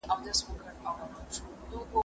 زه له سهاره زدکړه کوم!؟